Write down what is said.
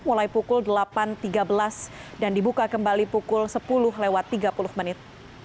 mulai pukul delapan tiga belas dan dibuka kembali pukul sepuluh lewat tiga puluh menit